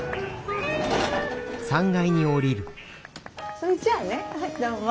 それじゃあねどうも。